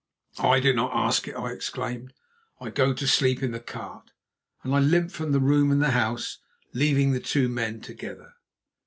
"I do not ask it," I exclaimed. "I go to sleep in the cart," and I limped from the room and the house, leaving the two men together.